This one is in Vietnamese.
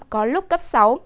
có lúc cấp sáu